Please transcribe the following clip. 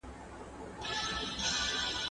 پر مېړه یو کال خواري وي، پر سپي سړي همېشه.